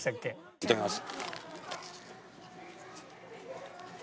いただきます。